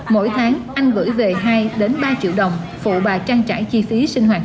mỗi tháng anh gửi về hai ba triệu đồng phụ bà trăng trải chi phí sinh hoạt